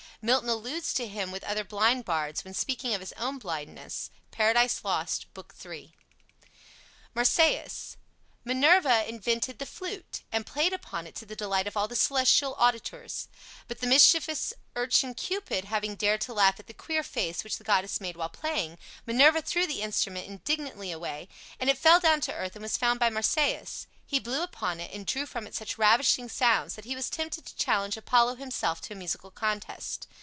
Milton alludes to him with other blind bards, when speaking of his own blindness, "Paradise Lost," Book III., 35. MARSYAS Minerva invented the flute, and played upon it to the delight of all the celestial auditors; but the mischievous urchin Cupid having dared to laugh at the queer face which the goddess made while playing, Minerva threw the instrument indignantly away, and it fell down to earth, and was found by Marsyas. He blew upon it, and drew from it such ravishing sounds that he was tempted to challenge Apollo himself to a musical contest.